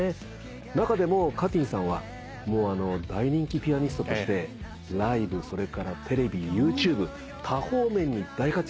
中でもＣａｔｅｅｎさんは大人気ピアニストとしてライブそれからテレビＹｏｕＴｕｂｅ多方面に大活躍。